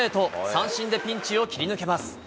三振でピンチを切り抜けます。